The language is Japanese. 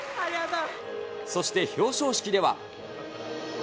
そして、表彰式では。